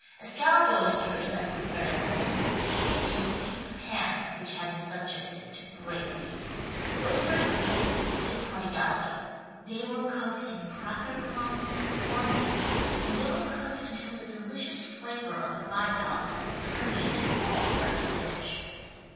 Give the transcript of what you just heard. Escalloped oysters, as prepared at home, ' came in a deep pan vrhich had been subjected to great heat. The oysters were used with the greatest prodigality. They were cooked in cracker crumbs or corn meal and they were cooked until the delicious flavor of the bivalve had permeated all parts of the dish.